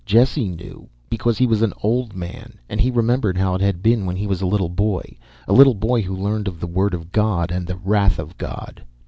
Jesse knew, because he was an old man and he remembered how it had been when he was a little boy. A little boy who learned of the Word of God and the Wrath of God.